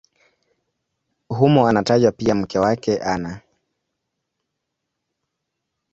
Humo anatajwa pia mke wake Ana.